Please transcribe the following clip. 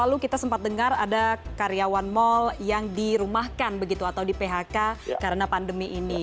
lalu kita sempat dengar ada karyawan mal yang dirumahkan begitu atau di phk karena pandemi ini